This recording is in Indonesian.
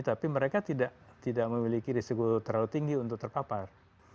tapi mereka tidak memiliki risiko terlalu tinggi untuk terpapar